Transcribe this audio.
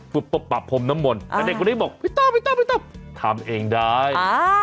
ปรับผมน้ำมนต์แต่เด็กกว่านี้บอกพี่ต้อพี่ต้อพี่ต้อทำเองได้